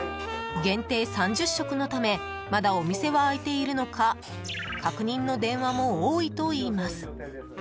限定３０食のためまだお店は開いているのか確認の電話も多いといいます。